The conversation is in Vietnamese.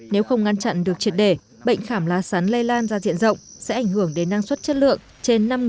nếu không ngăn chặn được triệt đề bệnh khảm lá sắn lây lan ra diện rộng sẽ ảnh hưởng đến năng suất chất lượng